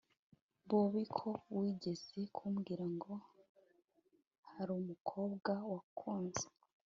bobi ko wigeze kumbwira ngo harumukobwa wakunze